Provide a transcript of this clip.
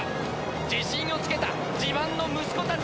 自信をつけた自慢の息子たち。